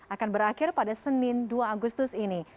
akan berakhir pada senin dua agustus ini